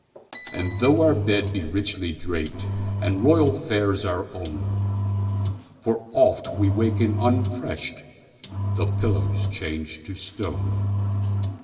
And tho our bed be richly drapedAnd royal fares our own, For oft we waken unrefreshed—The pillow's changed to stone!